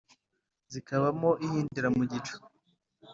zikabamo ihindira mu gicu